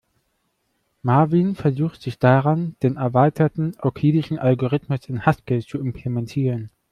Marvin versucht sich daran, den erweiterten euklidischen Algorithmus in Haskell zu implementieren.